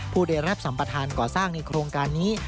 ผู้ได้รับสัมประธานก่อสร้างในโครงการนี้